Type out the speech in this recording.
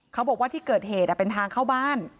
เขาบอกว่าที่เกิดเหตุเป็นทางเข้าบ้าน